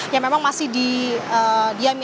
yang memang masih di diami